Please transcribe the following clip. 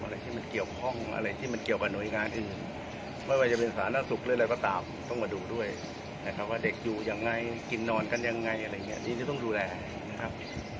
อะไรที่มันเกี่ยวข้องอะไรที่มันเกี่ยวกับหน่วยงานอื่นไม่ว่าจะเป็นสาธารณสุขหรืออะไรก็ตามต้องมาดูด้วยนะครับว่าเด็กอยู่ยังไงกินนอนกันยังไงอะไรอย่างนี้นี่จะต้องดูแลนะครับ